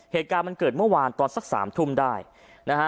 เหตุการณ์มันเกิดเมื่อวานตอนสักสามทุ่มได้นะฮะ